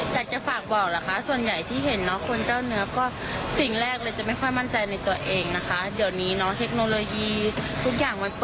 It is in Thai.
เพราะว่าคนหุ่นดีเราอ้วนเราก็สวยในแบบเราค่ะ